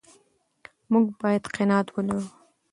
موږ باید قناعت ولرو.